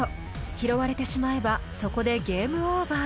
［拾われてしまえばそこでゲームオーバー］